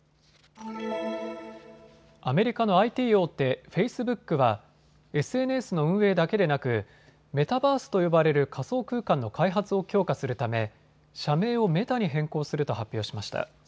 アメリカのＩＴ大手、フェイスブックはＳＮＳの運営だけでなくメタバースと呼ばれる仮想空間の開発を強化するため社名をメタに変更すると発表しました。